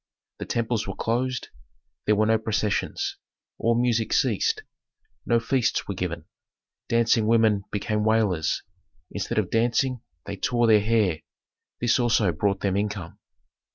The temples were closed; there were no processions. All music ceased; no feasts were given. Dancing women became wailers; instead of dancing they tore their hair; this also brought them income.